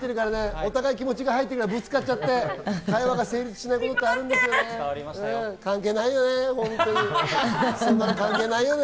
お互い気持ちが入ってるから、ぶつかっちゃって、会話が成立しない部分があるんですけどね、関係ないよね。